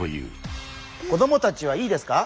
子供たちはいいですか？